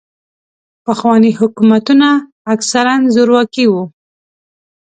پخواني حکومتونه اکثراً زورواکي وو.